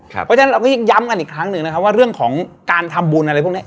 เพราะฉะนั้นเราก็ย้ำกันอีกครั้งหนึ่งนะครับว่าเรื่องของการทำบุญอะไรพวกนี้